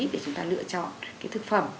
để chúng ta lựa chọn cái thực phẩm